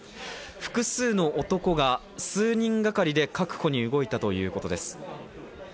複数の男が数人がかりで確保に動いたということです。